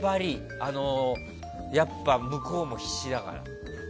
やっぱり向こうも必死だから。